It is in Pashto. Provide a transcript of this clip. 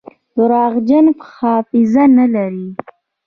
درواغجن حافظه نلري.